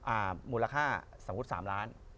อ่ามูลค่าสมมุติ๓ล้าน